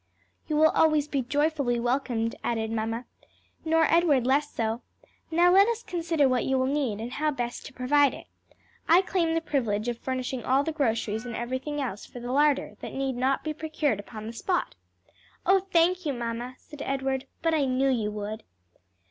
"You will always be joyfully welcomed," added mamma; "nor Edward less so. Now let us consider what you will need, and how best to provide it. I claim the privilege of furnishing all the groceries and everything else for the larder that need not be procured upon the spot." "Oh, thank you, mamma!" said Edward; "but I knew you would."